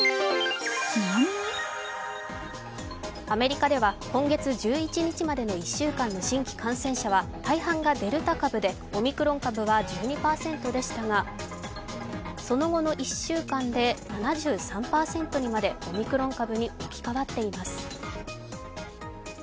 アメリカでは今月１１日までの１週間の新規感染者は大半がデルタ株でオミクロン株は１２％でしたがその後の１週間で７３％にまでオミクロン株に置き換わっています。